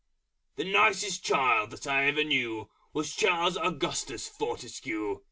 _ The nicest child I ever knew Was Charles Augustus Fortescue.